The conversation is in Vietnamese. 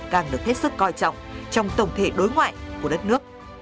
càng được hết sức coi trọng trong tổng thể đối ngoại của đất nước